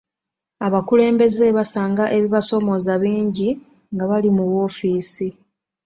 Abakulembeze basanga ebibasoomooza bingi nga bali mu woofiisi.